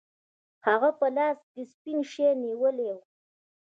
هغه په لاس کې سپین شی نیولی و.